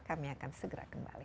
kami akan segera kembali